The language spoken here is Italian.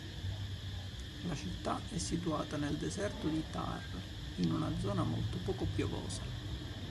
La città è situata nel Deserto di Thar, in una zona molto poco piovosa.